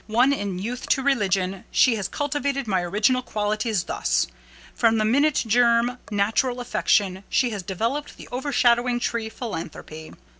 Won in youth to religion, she has cultivated my original qualities thus:—From the minute germ, natural affection, she has developed the overshadowing tree, philanthropy.